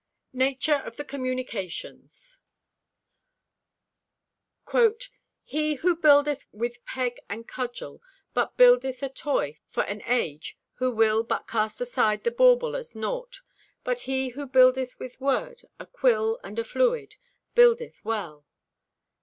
NATURE OF THE COMMUNICATIONS "He who buildeth with peg and cudgel but buildeth a toy for an age who will but cast aside the bauble as naught; but he who buildeth with word, a quill and a fluid, buildeth well."